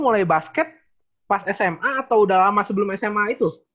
mulai basket pas sma atau udah lama sebelum sma itu